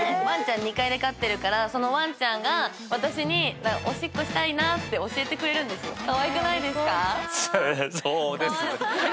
ワンちゃん２階で飼ってるからワンちゃんが私におしっこしたいなって教えてくれるんですよ。